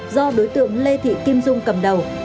do đối tượng lê thị kim dung cầm đầu